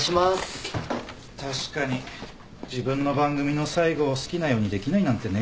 確かに自分の番組の最後を好きなようにできないなんてね。